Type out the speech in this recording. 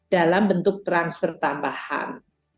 dalam bentuk transfer tambahan